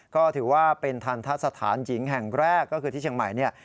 ก็ถือว่าเป็นทันทะสถานหญิงแห่งแรกก็คือที่เชียงใหม่เนี่ย